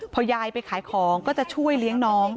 พอยายไปขายของก็จะช่วยเลี้ยงน้อง